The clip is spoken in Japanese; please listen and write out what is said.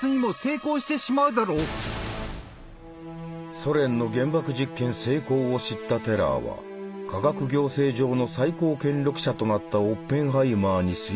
ソ連の原爆実験成功を知ったテラーは科学行政上の最高権力者となったオッペンハイマーに水爆開発を促した。